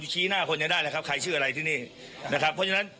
ชี้หน้าคนนี้ได้เลยครับใครชื่ออะไรที่นี่นะครับเพราะฉะนั้น